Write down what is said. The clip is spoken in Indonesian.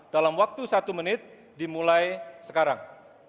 dalam waktu satu menit dimulai sekarang